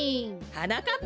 はなかっ